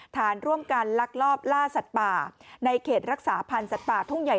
ฐานร่วมกันลักลอบล่าสัตว์ป่าในเขตรักษาพันธ์สัตว์ป่าทุ่งใหญ่